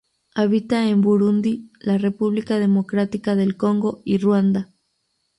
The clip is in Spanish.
Habita en Burundi, la República Democrática del Congo y Ruanda.